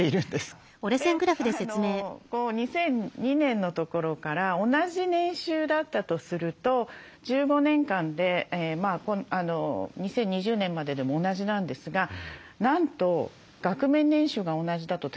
で２００２年のところから同じ年収だったとすると１５年間で２０２０年まででも同じなんですがなんと額面年収が同じだと